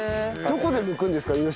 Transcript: どこでむくんですか？